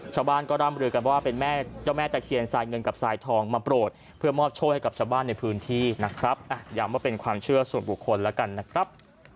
ชาวบ้านก็ร่ำลือกันว่าเป็นแม่เจ้าแม่ตะเคียนทรายเงินกับทรายทองมาโปรดเพื่อมอบโชคให้กับชาวบ้านในพื้นที่นะครับย้ำว่าเป็นความเชื่อส่วนบุคคลแล้วกันนะครับ